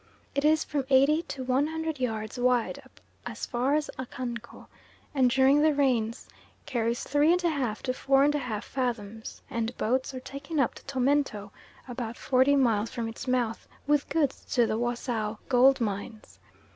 It is from eighty to one hundred yards wide up as far as Akanko, and during the rains carries three and a half to four and a half fathoms, and boats are taken up to Tomento about forty miles from its mouth with goods to the Wassaw gold mines.